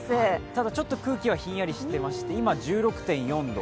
ただ、ちょっと空気はひんやりしていまして、今、１６．４度。